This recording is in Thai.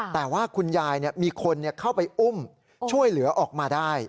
แต่ว่าคุณยายมีคนเข้าไปอุ้มช่วยเหลือออกมาได้